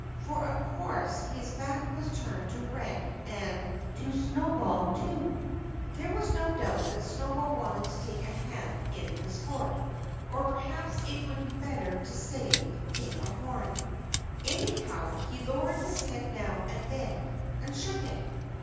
For of course his back was turned to Red and to Snowball, too. There was no doubt that Snowball wanted to take a hand in the sport or perhaps it would be better to say take a horn. Anyhow he lowered his head now and then, and shook it.